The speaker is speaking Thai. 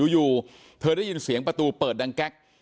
อยู่เธอได้ยินเสียงประตูเปิดดังแก๊ก